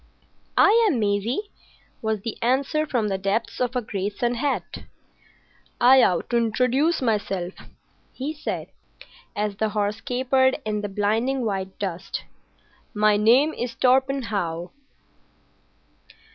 "I am Maisie," was the answer from the depths of a great sun hat. "I ought to introduce myself," he said, as the horse capered in the blinding white dust. "My name is Torpenhow.